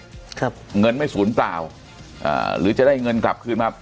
ครับเงินไม่ศูนย์เปล่าอ่าหรือจะได้เงินกลับคืนมา